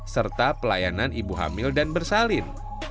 serta pelayanan ibu hamil dan bersalin